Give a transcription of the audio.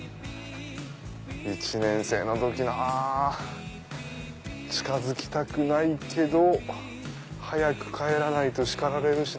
１年生の時なぁ近づきたくないけど早く帰らないと叱られるし。